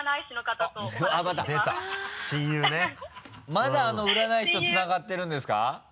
まだあの占い師とつながってるんですか？